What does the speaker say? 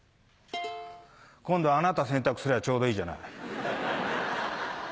今度あなた洗濯すりゃちょうどいいじゃない。